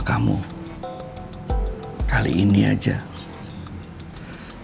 saya ujung parti kaismenya bisa bangun